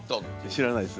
知らないです。